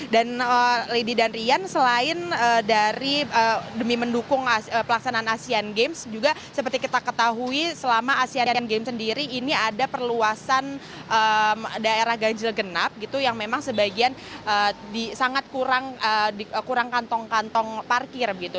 dan lady dan rian selain dari demi mendukung pelaksanaan asian games juga seperti kita ketahui selama asian games sendiri ini ada perluasan daerah ganjil genap gitu yang memang sebagian sangat kurang kantong kantong parkir gitu